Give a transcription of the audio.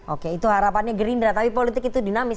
oke itu harapannya gerindra tapi politik itu dinamis